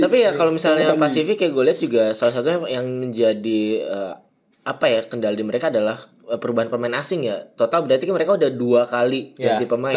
tapi ya kalau misalnya pasifik ya gue lihat juga salah satunya yang menjadi kendali mereka adalah perubahan pemain asing ya total berarti mereka udah dua kali ganti pemain